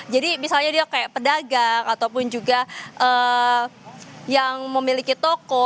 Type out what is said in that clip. jadi misalnya dia kayak pedagang ataupun juga yang memiliki toko